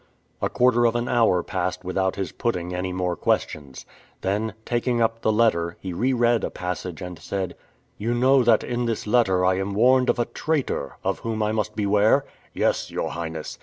A quarter of an hour passed without his putting any more questions. Then taking up the letter, he re read a passage and said, "You know that in this letter I am warned of a traitor, of whom I must beware?" "Yes, your Highness."